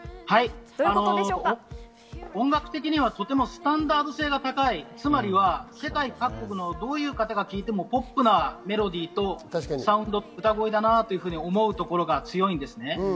音楽的にはとてもスタンダード性が高い、つまり世界各国のどういう方が聴いてもポップなメロディとサウンド、歌声だと思うところが強いです。